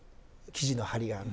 生地の張りがある。